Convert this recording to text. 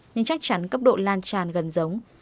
nhưng chắc chắn cấp độ lan tràn gần giống